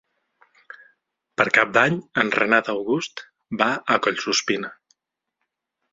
Per Cap d'Any en Renat August va a Collsuspina.